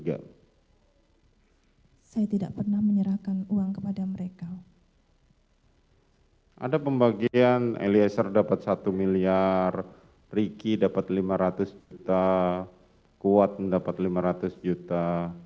ada pembagian eliezer dapat satu miliar riki dapat lima ratus juta kuat mendapat lima ratus juta